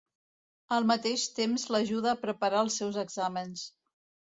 Al mateix temps l'ajuda a preparar els seus exàmens.